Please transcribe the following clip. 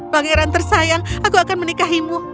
pangeran tersayang aku akan menikahimu